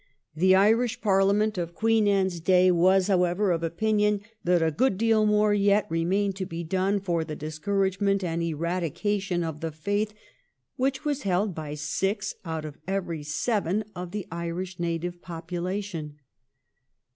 The Irish Parliament of Queen Anne's day was, however, of opinion that a good deal more yet remained to be done for the discouragement and eradication of the faith which was held by six out of every seven of the Irish native population.